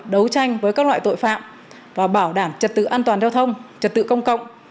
đấu tranh với các loại tội phạm và bảo đảm trật tự an toàn giao thông trật tự công cộng